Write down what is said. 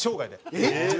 えっ！